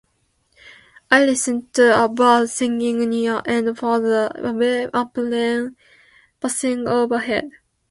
I listen to a bird singing nearby and, farther away, a plane passing overhead.